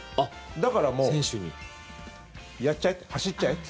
だから、もうやっちゃえと。